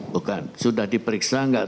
bukan sudah diperiksa enggak